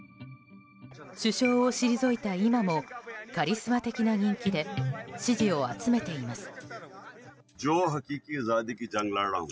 首相を退いた今もカリスマ的な人気で支持を集めています。